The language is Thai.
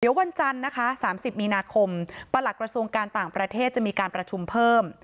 เดี๋ยววันจันทร์นะคะ๓๐มีนาคมประหลักกระทรวงการต่างประเทศจะมีการประชุมเพิ่ม